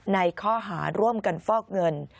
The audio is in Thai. ในข้อหาร่วมกันฟอกเงิน